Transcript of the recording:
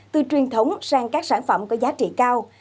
từ truyền thống sang các sản phẩm có giá trị cao